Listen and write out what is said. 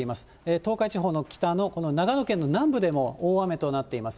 東海地方の北のこの長野県の南部でも大雨となっています。